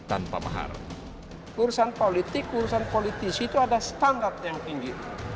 kursan politik kursan politisi itu ada standar yang tinggi